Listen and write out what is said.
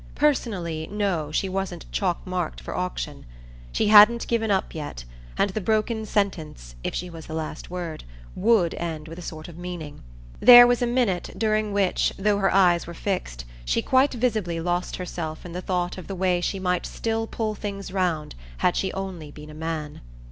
Personally, no, she wasn't chalk marked for auction. She hadn't given up yet, and the broken sentence, if she was the last word, WOULD end with a sort of meaning. There was a minute during which, though her eyes were fixed, she quite visibly lost herself in the thought of the way she might still pull things round had she only been a man.